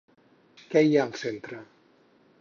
Què hi ha al centre?